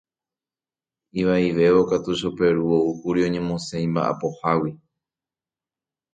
Ivaivévo katu Choperu oúkuri oñemosẽ imba'apohágui.